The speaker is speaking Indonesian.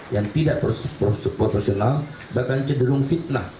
yang tidak prosiporsional bahkan cederung fitnah